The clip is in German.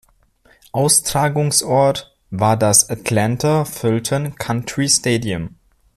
Austragungsort war das Atlanta-Fulton County Stadium.